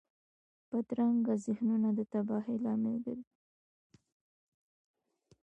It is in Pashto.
بدرنګه ذهنونه د تباهۍ لامل ګرځي